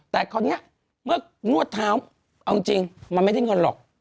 แต่คราวนี้เมื่องวดเท้าเอาจริงมันไม่ได้เงินหรอก